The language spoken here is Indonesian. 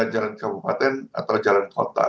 jalan kabupaten atau jalan kota